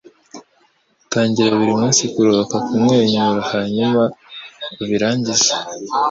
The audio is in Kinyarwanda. Tangira buri munsi kuruhuka kumwenyura hanyuma ubirangize.